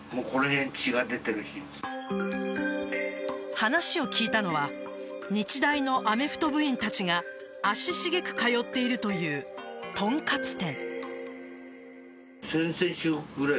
話を聞いたのは日大のアメフト部員たちが足しげく通っているというとんかつ店。